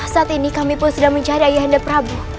saat ini kami pun sedang mencari ayah anda prabu